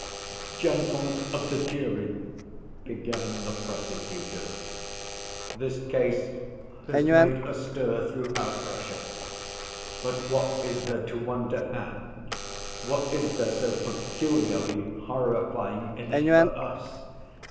"Gentlemen of the jury," began the prosecutor, "this case has made a stir throughout Russia. But what is there to wonder at, what is there so peculiarly horrifying in it for us?